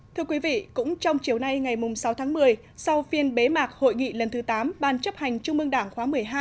thưa quý vị cũng trong chiều nay ngày sáu tháng một mươi sau phiên bế mạc hội nghị lần thứ tám ban chấp hành trung ương đảng khóa một mươi hai